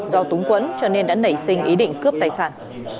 do túng quẫn cho nên đã nảy sinh ý định cướp tài sản